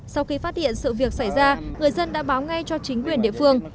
sau khi phát hiện sự việc xảy ra người dân đã báo ngay cho chính quyền địa phương